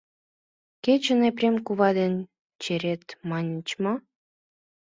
Кечын Епрем кува дене черет, маньыч мо?